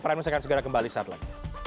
prime news akan segera kembali saat lagi